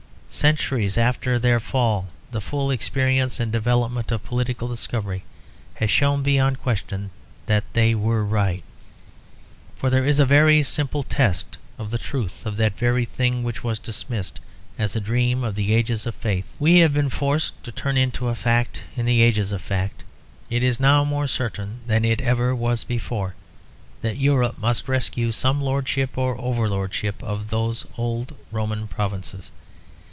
Centuries after their fall the full experience and development of political discovery has shown beyond question that they were right. For there is a very simple test of the truth; that the very thing which was dismissed, as a dream of the ages of faith, we have been forced to turn into a fact in the ages of fact. It is now more certain than it ever was before that Europe must rescue some lordship, or overlordship, of these old Roman provinces.